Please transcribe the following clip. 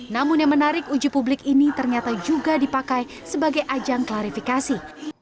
namun yang menarik uji publik ini ternyata juga dipakai sebagai ajang klarifikasi